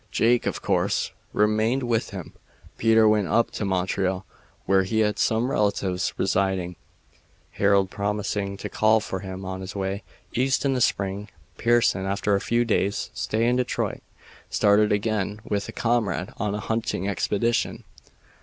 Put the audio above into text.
Jake, of course, remained with him. Peter went up to Montreal, where he had some relatives residing; Harold promising to call for him on his way East in the spring. Pearson, after a few days' stay in Detroit, started again with a comrade on a hunting expedition.